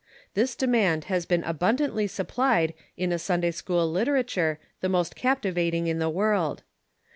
This demand has been abundantly supplied in a Sunday school literature the most captivating in the world.